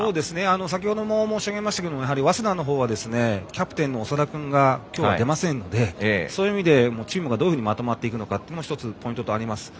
先ほども申し上げましたけれども早稲田のほうはキャプテンの長田君がきょうは出ませんのでそういう意味でチームがどういうふうにまとまっていくのか１つポイントとしてあります。